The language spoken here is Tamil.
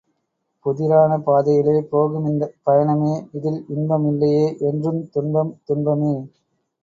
புதிரான பாதையிலே போகுமிந்தப் பயணமே இதில் இன்பம் இல்லையே என்றுந் துன்பம் துன்பமே!